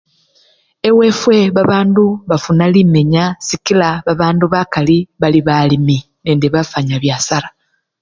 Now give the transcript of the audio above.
Ewefwe babandu bafuna limenya kakila babandu bakali bali balimi nende bafwanya byasara.